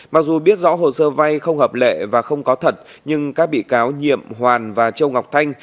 mặc dù biết rõ hồ sơ vay không hợp lệ và không có thật nhưng các bị cáo nhiệm hoàn và châu ngọc thanh